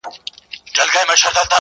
دا دریمه ده له درده چي تاویږي -